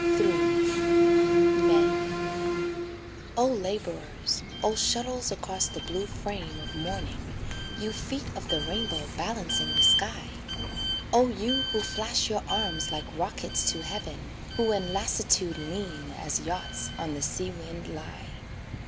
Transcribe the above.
III =Men= Oh labourers, oh shuttles across the blue frame of morning, You feet of the rainbow balancing the sky! Oh you who flash your arms like rockets to heaven, Who in lassitude lean as yachts on the sea wind lie!